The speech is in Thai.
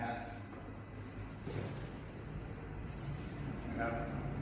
นะครับ